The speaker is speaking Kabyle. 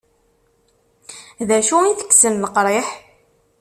D acu itekksen leqriḥ?